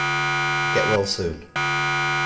Get well soon!